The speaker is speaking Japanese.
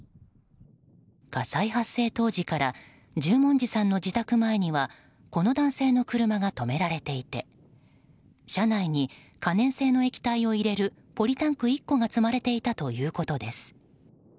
火災発生当時から十文字さんの自宅前にはこの男性の車が止められていて車内に可燃性の液体を入れるポリタンク１個が積まれていたということです。